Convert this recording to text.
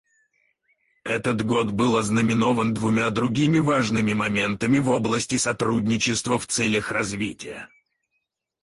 Этот год был ознаменован двумя другими важными моментами в области сотрудничества в целях развития.